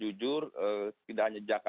jujur tidak hanya jangkaan